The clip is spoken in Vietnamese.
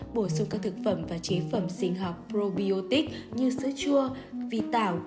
bộ sông các thực phẩm và chế phẩm sinh học probiotic như sữa chua vi tảo